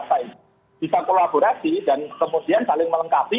bisa kolaborasi dan kemudian saling melengkapi